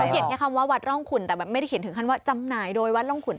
เขียนแค่คำว่าวัดร่องขุนแต่แบบไม่ได้เขียนถึงขั้นว่าจำหน่ายโดยวัดร่องขุน